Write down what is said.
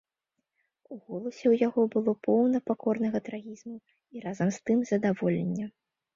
У голасе ў яго было поўна пакорнага трагізму і разам з тым задаволення.